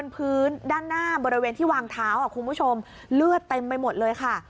พื้นด้านหน้าบริเวณที่วางเท้าคุณผู้ชมเลือดเต็มไปหมดเลยค่ะ